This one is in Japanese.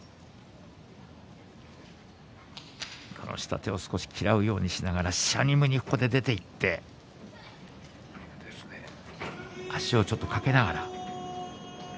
この下手を少し嫌うようにしながらしゃにむに出ていって足をちょっと掛けながら。